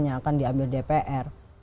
yang akan diambil dpr